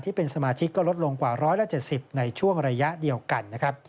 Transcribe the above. ที่เป็นสมาชิกก็ลดลงกว่า๑๗๐ในช่วงระยะเดียวกันนะครับ